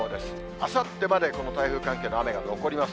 あさってまでこの台風関係の雨が残ります。